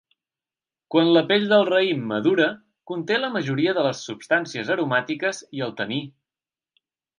Quan la pell del raïm madura, conté la majoria de les substàncies aromàtiques i el taní.